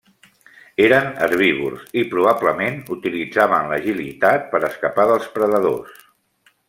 Eren herbívors i probablement utilitzaven l'agilitat per a escapar dels predadors.